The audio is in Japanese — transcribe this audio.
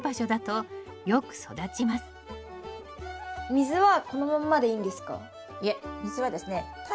水はこのまんまでいいんですか？